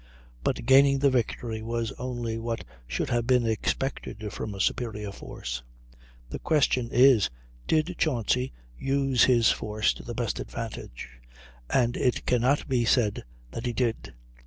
But gaining the victory was only what should have been expected from a superior force. The question is, did Chauncy use his force to the best advantage? And it can not be said that he did.